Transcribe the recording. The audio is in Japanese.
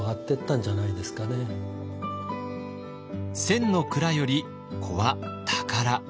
千の蔵より子は宝。